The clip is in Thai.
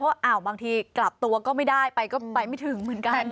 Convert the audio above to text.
เพราะบางทีกลับตัวก็ไม่ได้ไปก็ไปไม่ถึงเหมือนกัน